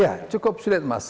ya cukup sulit mas